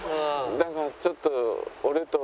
だからちょっと。